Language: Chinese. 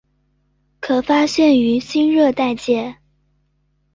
可发现于新热带界。